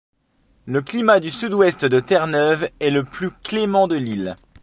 Le climat du Sud-Ouest de Terre-Neuve est le plus clément de l'île.